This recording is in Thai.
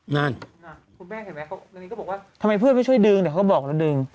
นั่นคุณแม่เห็นไหมวันนี้ก็บอกว่าทำไมเพื่อนไม่ช่วยดึงเดี๋ยวเขาบอกแล้วดึง